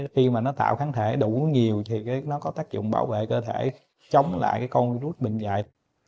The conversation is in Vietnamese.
khi mà nó tạo kháng thể đủ nhiều thì nó có tác dụng bảo vệ cơ thể chống lại con rút bệnh dạy